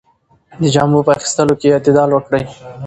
د جامو په اخیستلو کې اعتدال وکړئ.